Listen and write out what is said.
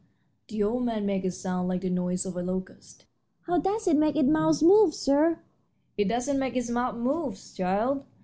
'" The old man made a sound like the noise of a locust. "How does it make its mouth move, sir?" "It doesn't make its mouth move, child.